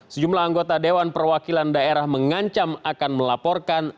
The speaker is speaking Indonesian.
sejumlah anggota dewan perwakilan daerah mengancam akan melaporkan